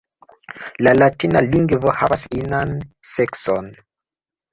La latina lingvo havas inan sekson.